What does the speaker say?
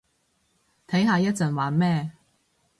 睇下一陣玩咩